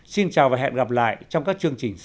xin chào và hẹn gặp lại trong các chương trình sau